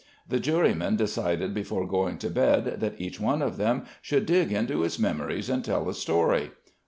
The jurymen decided before going to bed that each one of them should dig into his memories and tell a story.